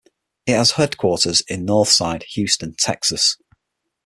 It has its headquarters in Northside, Houston, Texas.